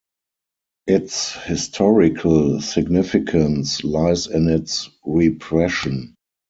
Its historical significance lies in its repression.